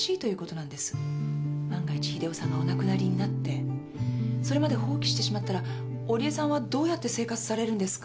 万が一秀雄さんがお亡くなりになってそれまで放棄してしまったら織江さんはどうやって生活されるんですか？